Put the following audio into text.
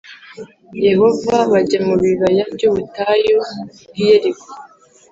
Yehova bajya mu bibaya by’ubutayu bw’i Yeriko